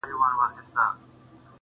مینه مقدسه ده، زړه هم مقدس غواړي